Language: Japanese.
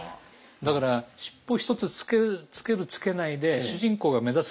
だから尻尾一つつけるつけないで主人公が目立つ